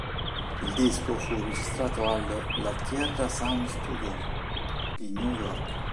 Il disco fu registrato al "La Tierra Sound Studios" di New York.